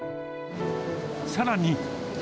さらに。